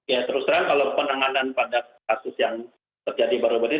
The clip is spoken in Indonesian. ya terus terang kalau penanganan pada kasus yang terjadi baru baru ini